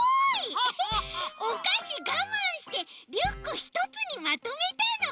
おかしがまんしてリュックひとつにまとめたの？